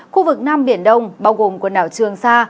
khu vực nam biển đông bao gồm quần đảo trường sa